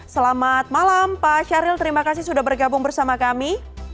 selamat malam pak syahril terima kasih sudah bergabung bersama kami